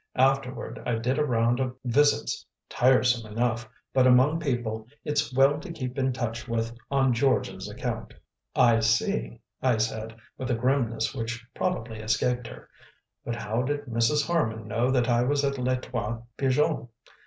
Afterward I did a round of visits tiresome enough, but among people it's well to keep in touch with on George's account." "I see," I said, with a grimness which probably escaped her. "But how did Mrs. Harman know that I was at Les Trois Pigeons?"